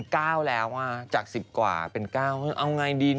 เขาใหม่ฮะมือวัยไปดีโอ้โห